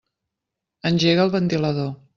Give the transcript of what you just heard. Engega el ventilador.